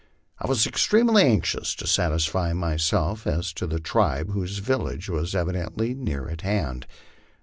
I was extremely anxious to satisfy myself as to the tribe whose village was evi dently neur at hand.